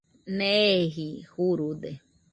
Neeji jurude